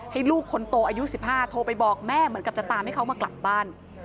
ลูกคนโตอายุ๑๕โทรไปบอกแม่เหมือนกับจะตามให้เขามากลับบ้าน